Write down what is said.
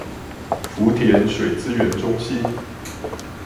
福田水資源中心